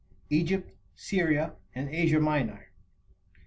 EGYPT, SYRIA, AND ASIA MINOR.